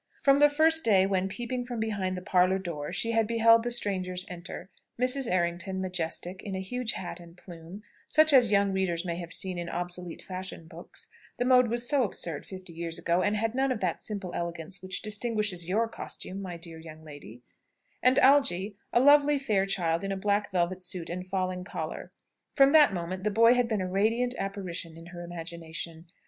From the first day when, peeping from behind the parlour door, she had beheld the strangers enter Mrs. Errington, majestic, in a huge hat and plume, such as young readers may have seen in obsolete fashion books (the mode was so absurd fifty years ago, and had none of that simple elegance which distinguishes your costume, my dear young lady), and Algy, a lovely fair child, in a black velvet suit and falling collar from that moment the boy had been a radiant apparition in her imagination.